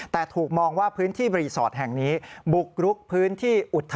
แต่ถูกมองว่าพื้นที่รีสอร์ทแห่งนี้